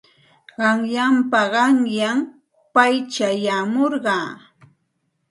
Qanyanpa qanyan pay chayamurqa.